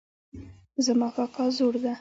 زما کاکا زوړ ده